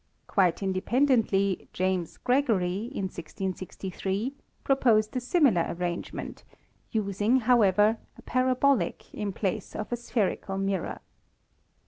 Quite independently, James Gregory, in 1663, proposed a similar arrangement, using, however, a parabolic in place of a spherical mirror.